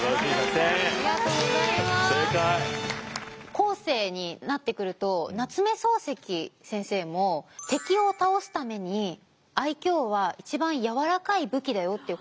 後世になってくると夏目漱石先生も敵を倒すために愛嬌は一番柔らかい武器だよっていう言葉を残してるんですよ。